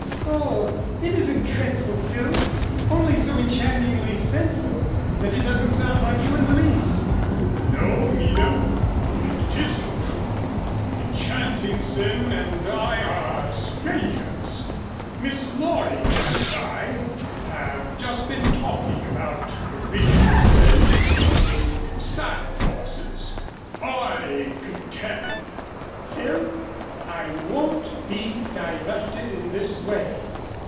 "Oh, it isn't dreadful, Phil, only so enchantingly sinful that it doesn't sound like you in the least." "No, Nina. It isn't true. Enchanting sin and I are strangers. Miss Loring and I have just been talking about original sin in saddle horses. I contend " "Phil, I won't be diverted in this way.